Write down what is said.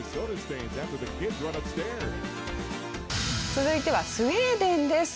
続いてはスウェーデンです。